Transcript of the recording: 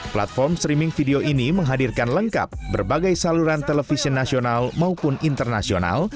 platform streaming video ini menghadirkan lengkap berbagai saluran televisi nasional maupun internasional